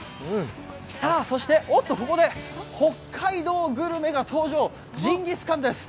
そして、おっとここで北海道グルメが登場、ジンギスカンです。